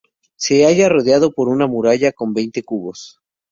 Se halla rodeado por una muralla con veinte cubos.